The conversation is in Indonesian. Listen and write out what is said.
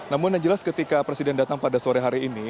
namun yang jelas ketika presiden datang pada sore hari ini